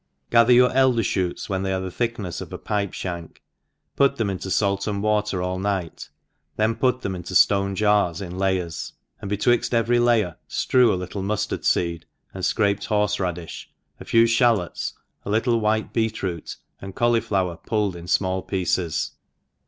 GATHER your eldfer fhoots when thty ate the thicknefs of a pipe fhank^ put them intb fait and water all nighty then put them int6 ftone jars in layers^ and betwixt every layer jftrew a little muftard feed, and fcraped faorfe radi(h» a few (halots^ a little white beet root, and cauliflower pulled in fmall piebes.